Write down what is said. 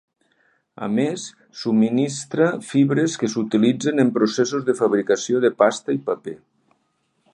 A més, subministra fibres que s'utilitzen en processos de fabricació de pasta i paper.